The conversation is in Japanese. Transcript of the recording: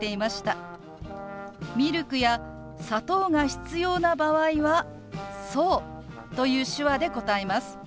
ミルクや砂糖が必要な場合は「そう」という手話で答えます。